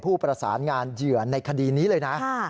ผู้ประสานงานเหยื่อในคดีนี้เลยนะ